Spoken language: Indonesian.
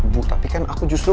bu tapi kan aku justru